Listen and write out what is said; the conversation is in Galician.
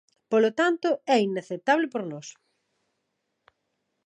Polo tanto, é inaceptable por nós.